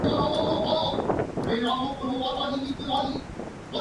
Photos of The Somaliland Parliament Buildings and The Chamber are posted below.